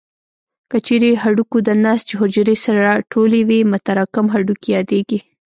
که چیرې هډوکو د نسج حجرې سره ټولې وي متراکم هډوکي یادېږي.